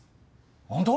本当？